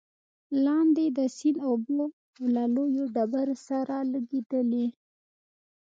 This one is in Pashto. لاندې د سيند اوبه له لويو ډبرو سره لګېدلې،